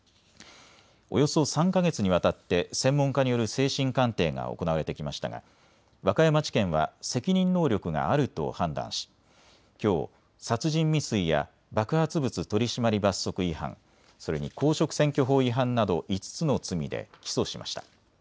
およそ３か月にわたって専門家による精神鑑定が行われてきましたが和歌山地検は責任能力があると判断しきょう殺人未遂や爆発物取締罰則違反、それに公職選挙法違反など５つの罪で起訴しました。